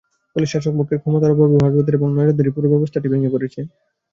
ফলে শাসকপক্ষের ক্ষমতার অপব্যবহার রোধের এবং নজরদারির পুরো ব্যবস্থাটি ভেঙে পড়েছে।